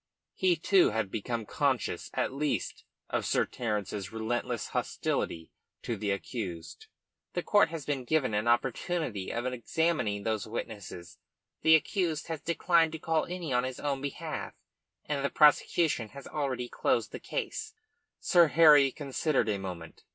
He too had become conscious at last of Sir Terence's relentless hostility to the accused. "The court has been given an opportunity of examining those witnesses, the accused has declined to call any on his own behalf, and the prosecution has already closed its case." Sir Harry considered a moment.